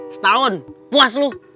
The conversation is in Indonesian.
setahun puas lu